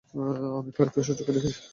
আমি খালিদকে স্বচক্ষে দেখেছি।